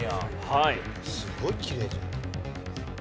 すごいきれいじゃん。